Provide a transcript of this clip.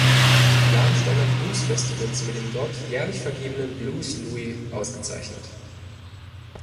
Lahnsteiner Bluesfestivals mit dem dort jährlich vergebenen "Blues-Louis" ausgezeichnet.